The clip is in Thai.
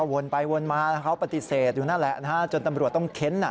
วนไปวนมาแล้วเขาปฏิเสธอยู่นั่นแหละนะฮะจนตำรวจต้องเค้น